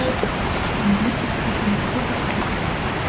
Ein Blitz schlug in die Brücke ein.